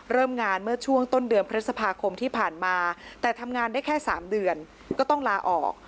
เริ่มงานเมื่อช่วงต้นเดือนพฤษภาคมที่ผ่านมาแต่ทำงานได้แค่๓เดือนก็ต้องลาออก